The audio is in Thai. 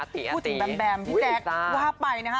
พี่แจ๊ว่าไปนะคะ